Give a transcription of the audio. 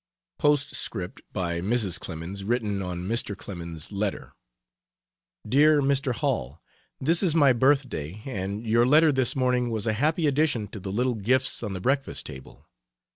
Postscript by Mrs. Clemens written on Mr. Clemens's letter: DEAR MR. HALL, This is my birthday and your letter this morning was a happy addition to the little gifts on the breakfast table.